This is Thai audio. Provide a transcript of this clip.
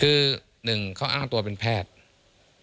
คือหนึ่งเขาอ้างตัวเป็นแพทย์